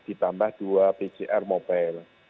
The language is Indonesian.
ditambah dua pcr mobile